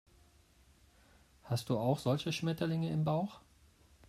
Hast du auch solche Schmetterlinge im Bauch?